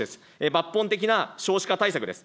抜本的な少子化対策です。